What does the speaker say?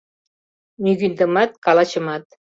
— Мӱгиндымат, калачымат...